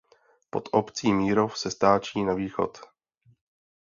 Pod obcí Mírov se stáčí na východ.